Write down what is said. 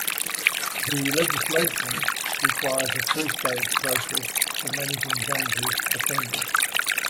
The legislation requires a three-stage process for managing dangerous offenders.